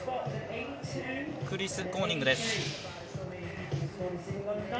クリス・コーニングです。